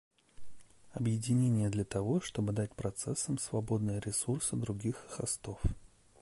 Объединение для того, чтобы дать процессам свободные ресурсы других хостов